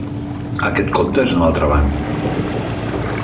Aquest compte és d'un altre banc.